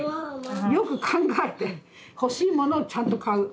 よく考えて欲しいものをちゃんと買う。